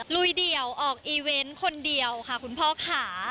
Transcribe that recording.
ลุยเดี่ยวออกอีเวนต์คนเดียวค่ะคุณพ่อค่ะ